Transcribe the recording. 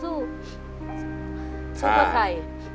สู้เพื่อใคร